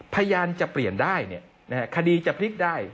พยานจะเปลี่ยนได้คดีจะพลิกได้